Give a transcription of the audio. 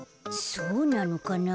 そうなのかな？